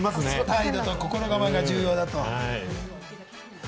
態度と心構えが重要だと。